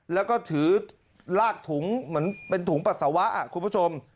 แล้วก็ถือลากถุงเหมือนเป็นถุงปัสสาวะคุณผู้ชม